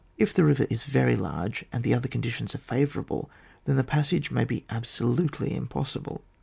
If the river is very large, and the other conditions are favourable, then the pas sage may be absolutely impossible.